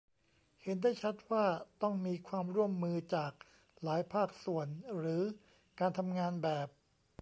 เห็นได้ชัดว่าต้องมีความร่วมมือจากหลายภาคส่วนหรือการทำงานแบบ